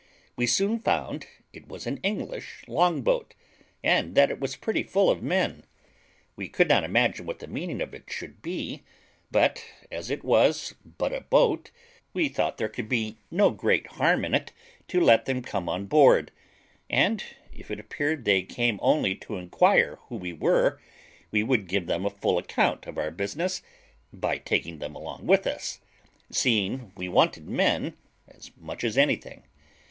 We soon found it was an English long boat, and that it was pretty full of men. We could not imagine what the meaning of it should be; but, as it was but a boat, we thought there could be no great harm in it to let them come on board; and if it appeared they came only to inquire who we were, we would give them a full account of our business, by taking them along with us, seeing we wanted men as much as anything.